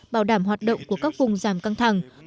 bảo đảm hoạt động của các vùng giảm căng thẳng